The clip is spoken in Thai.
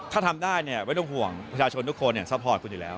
ถ้าทำได้ไม่ต้องห่วงประชาชนทุกคนซัพพอร์ตคุณอยู่แล้ว